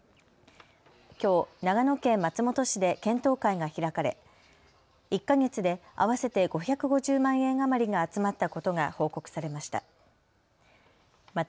きょう長野県松本市で検討会が開かれ１か月で合わせて５５０万円余りが集まったことが報告されました。